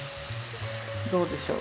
どうでしょう。